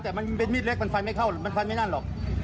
แต่มันเป็นมิดเล็กมันฟันไม่นั่นหรอก